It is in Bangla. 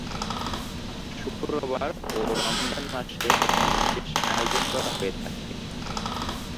শুক্রবার ও রমজান মাসে এখানে বিশেষ আয়োজন করা হয়ে থাকে।